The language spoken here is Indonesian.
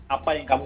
apa yang kamu